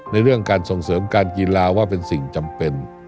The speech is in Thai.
เรื่องการส่งเสริมการกีฬาว่าเป็นสิ่งจำเป็น